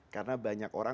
karena ada yang korban